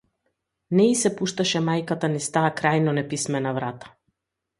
Не и се пушташе мајката низ таа крајно неписмена врата.